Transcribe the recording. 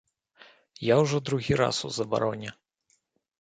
Я ўжо другі раз у забароне.